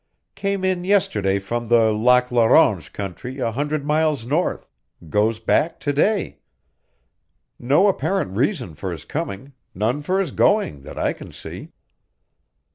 Came in yesterday from the Lac la Ronge country a hundred miles north; goes back to day. No apparent reason for his coming, none for his going, that I can see."